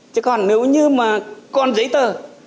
chứ còn nếu như mà còn giấy tờ